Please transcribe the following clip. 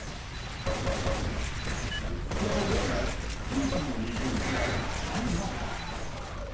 プーチンの２０年で何が変わったか。